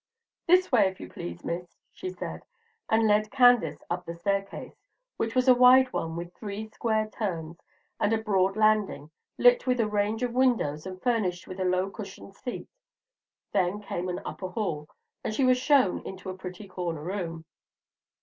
"This way, if you please, Miss," she said, and led Candace up the staircase, which was a wide one with three square turns and a broad landing, lit with a range of windows and furnished with a low cushioned seat; then came an upper hall, and she was shown into a pretty corner room.